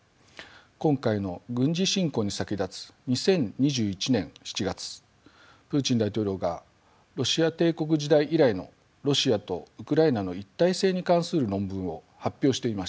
今回の軍事侵攻に先立つ２０２１年７月プーチン大統領がロシア帝国時代以来のロシアとウクライナの一体性に関する論文を発表していました。